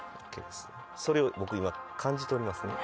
それを僕今感じ取りますね。